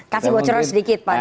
kasih bocoran sedikit pak